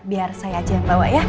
biar saya aja yang bawa ya